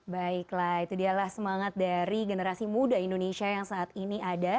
baiklah itu dialah semangat dari generasi muda indonesia yang saat ini ada